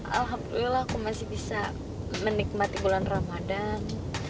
alhamdulillah aku masih bisa menikmati bulan ramadhan